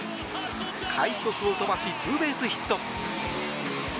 快足を飛ばしツーベースヒット。